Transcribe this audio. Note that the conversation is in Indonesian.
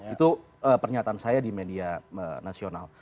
itu pernyataan saya di media nasional